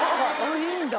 いいんだ。